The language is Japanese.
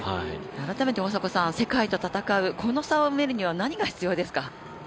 改めて、世界と戦うこの差を埋めるには何が必要ですか？